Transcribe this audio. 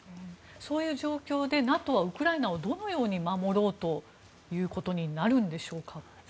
そういう状況でＮＡＴＯはウクライナをどのように守ろうということになるんでしょうか。